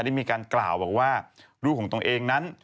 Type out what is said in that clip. ได้มีการกล่าวบอกว่าลูกของตนเองนั้น